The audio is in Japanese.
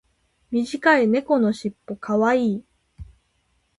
短い猫のしっぽ可愛い。